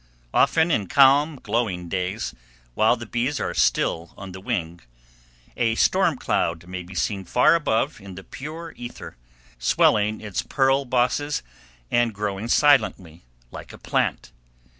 Often in calm, glowing days, while the bees are still on the wing, a storm cloud may be seen far above in the pure ether, swelling its pearl bosses, and growing silently, like a plant.